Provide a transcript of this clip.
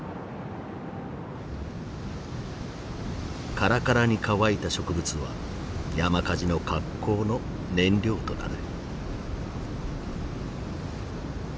カラカラに乾いた植物は山火事の格好の燃料となる。